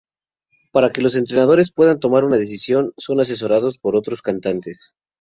Para que los "entrenadores" puedan tomar una decisión, son asesorados por otros cantantes.